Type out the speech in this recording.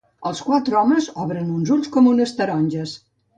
Els quatre homes obren uns ulls com taronges.